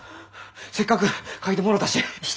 せっかく書いてもろたし。